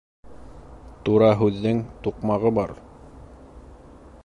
Тура һүҙҙең туҡмағы бар.